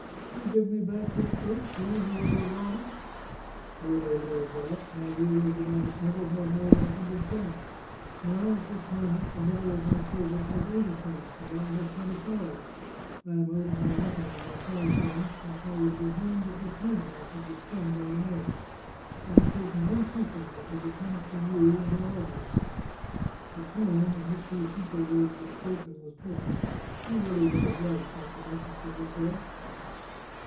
" You give me back this purse — you, who are a robber !"" No doubt about that. My rule is that I must never have more than a hundred francs. Now, at this moment, the mother of my children has eighty francs and I have twenty five ; I am out of my reckoning by five francs, and if I were to be hanged at this moment I should be stung by remorse. I have taken one sequin, because it comes from you, and I love you !" The tone in which these simple words were spoken was perfect. " He really does love !" thought the duchess to herself.